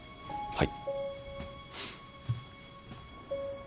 ・はい。